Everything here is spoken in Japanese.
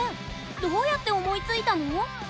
どうやって思いついたの？